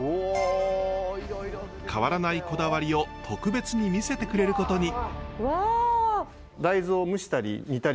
変わらないこだわりを特別に見せてくれることに。わ！